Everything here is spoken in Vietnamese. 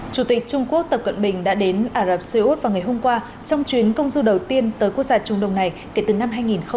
chủ tịch trung quốc tập cận bình đã đến ả rập xê út vào ngày hôm qua trong chuyến công du đầu tiên tới quốc gia trung đông này kể từ năm hai nghìn một mươi